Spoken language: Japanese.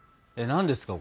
何ですか？